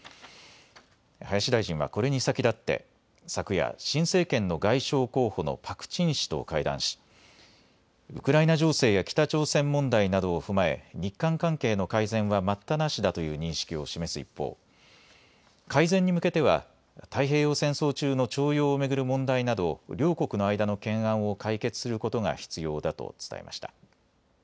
林大臣はこれに先立って昨夜、新政権の外相候補のパク・チン氏と会談しウクライナ情勢や北朝鮮問題などを踏まえ、日韓関係の改善は待ったなしだという認識を示す一方、改善に向けては太平洋戦争中の徴用を巡る問題など両国の間の懸案を解決することが必要だと伝えました。